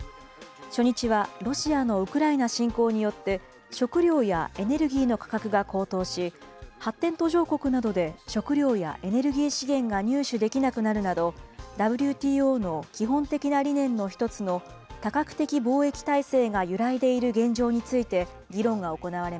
初日はロシアのウクライナ侵攻によって、食料やエネルギーの価格が高騰し、発展途上国などで食料やエネルギー資源が入手できなくなるなど、ＷＴＯの基本的な理念の１つの多角的貿易体制が揺らいでいる現状